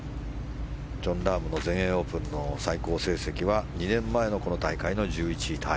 ジョン・ラームの全英オープンの最高成績は２年前のこの大会の１１位タイ。